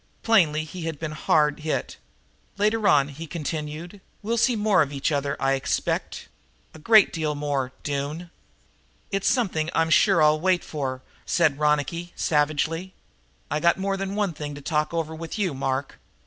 Plainly he had been hard hit. "Later on," he continued, "we'll see more of each other, I expect a great deal more, Doone." "It's something I'll sure wait for," said Ronicky savagely. "I got more than one little thing to talk over with you, Mark.